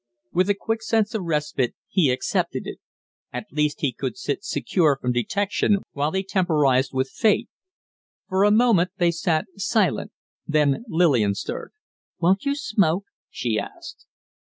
With a quick sense of respite he accepted it. At least he could sit secure from detection while he temporized with fate. For a moment they sat silent, then Lillian stirred. "Won't you smoke?" she asked.